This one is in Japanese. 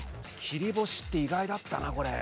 切り干しって意外だったなこれ。